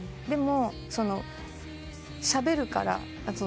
でもしゃべるから。